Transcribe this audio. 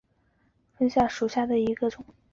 稀序卫矛为卫矛科卫矛属下的一个种。